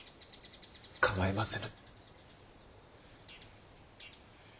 構いませぬ。